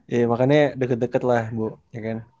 ya makanya deket deket lah bu ya kan